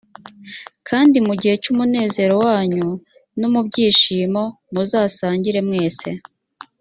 kandi mu gihe cy’umunezero wanyu no mu byishimo muzasangire mwese.